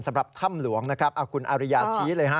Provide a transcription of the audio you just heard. สำหรับถ้ำหลวงนะครับคุณอาริยาชี้เลยฮะ